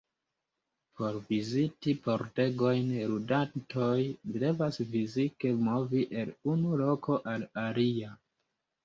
Por viziti pordegojn, ludantoj devas fizike movi el unu loko al alia.